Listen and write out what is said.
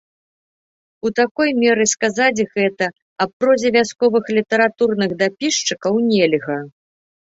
У такой меры сказаць гэта аб прозе вясковых літаратурных дапісчыкаў нельга.